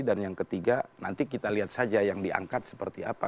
dan yang ketiga nanti kita lihat saja yang diangkat seperti apa